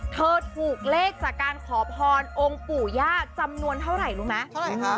เธอถูกเลขจากการขอพรองค์ปู่ย่าจำนวนเท่าไหร่รู้ไหมเท่าไหร่ค่ะ